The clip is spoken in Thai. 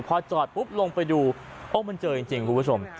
พอจอดปุ๊บลงไปดูโอ้มันเจอจริงคุณผู้ชม